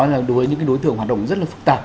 là đối với những đối tượng hoạt động rất là phức tạp